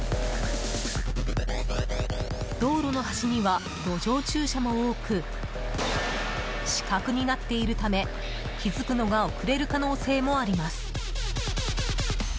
道路の端には路上駐車も多く死角になっているため気づくのが遅れる可能性もあります。